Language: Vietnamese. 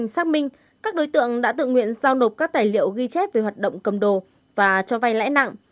xác minh các đối tượng đã tự nguyện giao nộp các tài liệu ghi chép về hoạt động cầm đồ và cho vay lãi nặng